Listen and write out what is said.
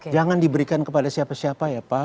jangan diberikan kepada siapa siapa ya pak